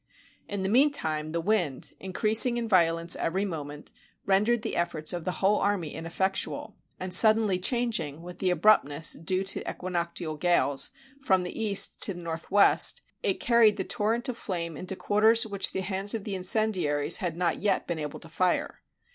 In the mean time, the wind, increasing in violence every moment, rendered the efforts of the whole army ineffectual, and suddenly changing, with the abruptness due to equinoctial gales, from the east to the northwest, it carried the torrent of flame into quarters which the hands of the incendiaries had not yet been able to fire.